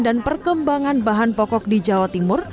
dan perkembangan bahan pokok di jawa timur